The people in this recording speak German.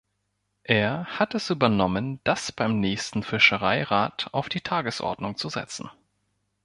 Er hat es übernommen, das beim nächsten Fischereirat auf die Tagesordnung zu setzen.